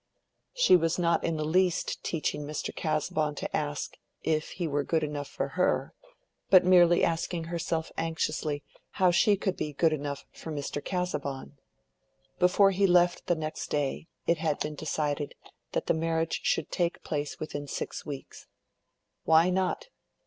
She was not in the least teaching Mr. Casaubon to ask if he were good enough for her, but merely asking herself anxiously how she could be good enough for Mr. Casaubon. Before he left the next day it had been decided that the marriage should take place within six weeks. Why not?